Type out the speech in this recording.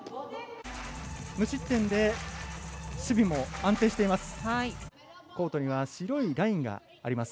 無失点で守備も安定しています。